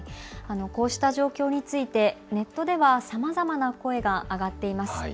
こうした状況についてネットではさまざまな声が上がっています。